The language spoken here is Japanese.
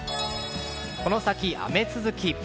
この先、雨続き。